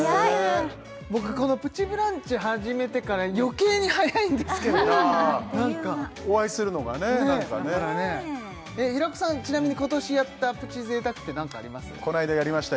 僕この「プチブランチ」を始めてから余計に早いんですけどなんかあっという間お会いするのがねなんかね平子さんちなみに今年やったプチ贅沢って何かあります？